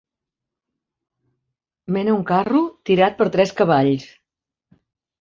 Mena un carro tirat per tres cavalls.